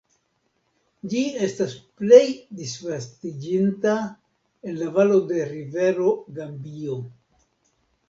Ĝi estas plej disvastiĝinta en la valo de rivero Gambio.